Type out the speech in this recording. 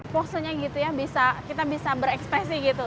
fokusnya gitu ya kita bisa berekspresi gitu